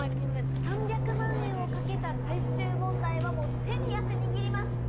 ３００万円を懸けた最終問題はもう手に汗握ります！